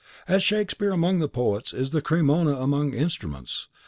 As Shakespeare among poets is the Cremona among instruments.